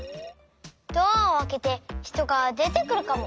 ドアをあけて人がでてくるかも。